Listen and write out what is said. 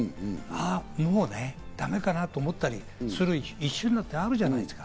もうだめかなと思ったりする一瞬なんてあるじゃないですか。